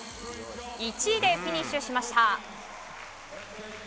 １位でフィニッシュしました。